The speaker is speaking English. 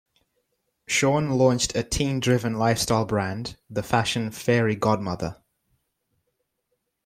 Saun launched a teen-driven lifestyle brand "The Fashion FairyGodmother".